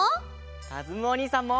かずむおにいさんも！